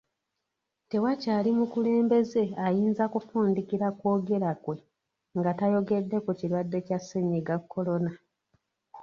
Tewakyali mukulembeze ayinza kufundikira kwogera kwe nga tayogedde ku kirwadde kya Ssennyiga Corona